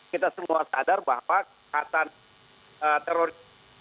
kita semua sadar bahwa kejahatan terorisme